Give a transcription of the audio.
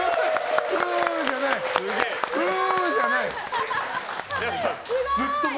フー！じゃないよ。